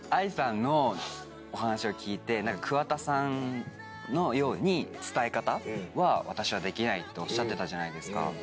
ＡＩさんのお話を聞いて「桑田さんのように伝え方は私はできない」っておっしゃってたじゃないですか。